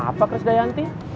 apa kris dayanti